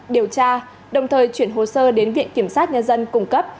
điều tra đồng thời chuyển hồ sơ đến viện kiểm sát nhân dân cung cấp